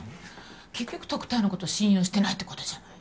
結局特対の事信用してないって事じゃない。